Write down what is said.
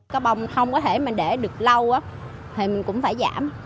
có bông không có thể mà để được lâu thì mình cũng phải giảm